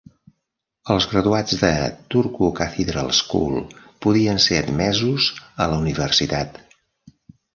Els graduats de Turku Cathedral School podien ser admesos a la universitat.